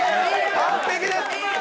完璧です。